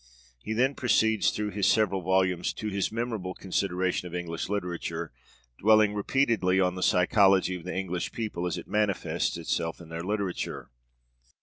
He then proceeds through his several volumes to his memorable consideration of English literature, dwelling repeatedly on the psychology of the English people as it manifests itself in their literature.